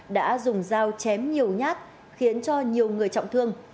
đã dùng dao chém nhiều nhát khiến cho nhiều người trọng thương